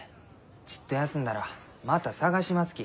ちっと休んだらまた探しますき。